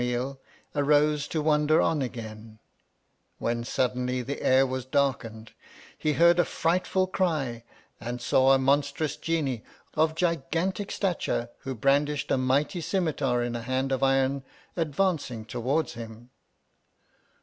meal arose to wander on again, when sud denly the air was darkened, he heard a fright ful cry, and saw a monstrous Genie, of gigantic stature, who brandished a mighty scimetar in a hand of iron, advancing towards him.